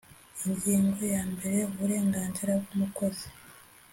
Ingingo yambere Uburenganzira bw umukozi